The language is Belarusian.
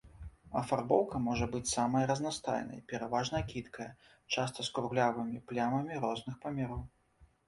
Афарбоўка можа быць самай разнастайнай, пераважна кідкая, часта з круглявымі плямамі розных памераў.